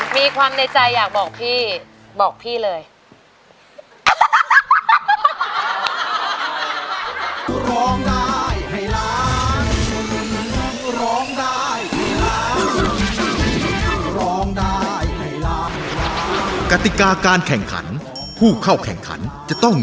มีความในใจอยากบอกพี่เฟคกี้เหมือนกัน